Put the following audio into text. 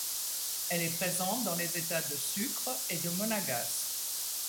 Elle est présente dans les États de Sucre et de Monagas.